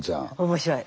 面白い。